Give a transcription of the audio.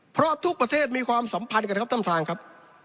เพราะทุกประเทศมีความสัมพันธ์กันนะครับท่านประธานครับ